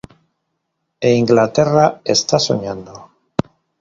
E Inglaterra está soñando.